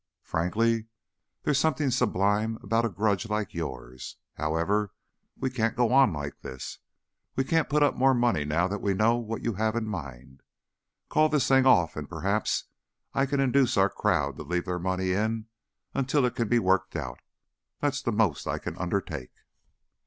Frankly, there's something sublime about a grudge like yours. However, we can't go on like this. We can't put up more money now that we know what you have in mind. Call this thing off and perhaps I can induce our crowd to leave their money in until it can be worked out. That's the most I can undertake."